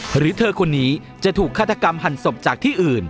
หรือเธอคนนี้จะถูกฆาตกรรมหั่นศพจากที่อื่น